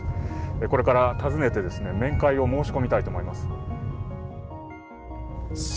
これから訪ねて面会を申し込みたいと思います。